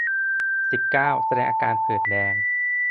สิบเก้า แสดงอาการผื่นแดง